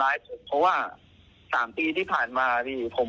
แล้วเขาก็ไม่เลิกลากับผม